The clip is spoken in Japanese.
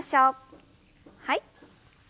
はい。